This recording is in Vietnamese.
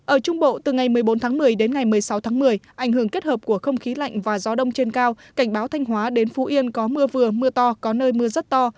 ở trung bộ từ ngày một mươi bốn tháng một mươi đến ngày một mươi sáu tháng một mươi ảnh hưởng kết hợp của không khí lạnh và gió đông trên cao cảnh báo thanh hóa đến phú yên có mưa vừa mưa to có nơi mưa rất to